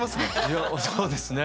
いやそうですね。